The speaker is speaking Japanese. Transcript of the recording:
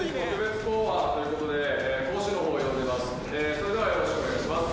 それではよろしくお願いします